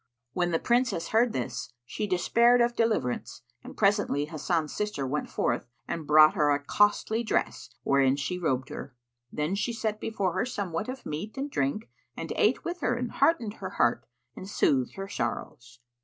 When the Princess heard this, she despaired of deliverance and presently Hasan's sister went forth and brought her a costly dress, wherein she robed her. Then she set before her somewhat of meat and drink and ate with her and heartened her heart and soothed her sorrows.